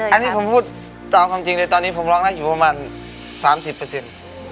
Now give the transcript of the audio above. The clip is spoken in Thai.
อันนี้ผมพูดตามความจริงเลยตอนนี้ผมร้องได้อยู่ประมาณสามสิบเปอร์เซ็นต์